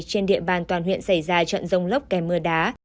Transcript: trên địa bàn toàn huyện xảy ra trận rông lốc kèm mưa đá